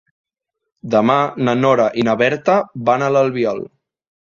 Demà na Nora i na Berta van a l'Albiol.